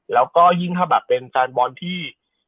แล้วก็ยิ่งถ้าแบบเป็นแฟนบอลที่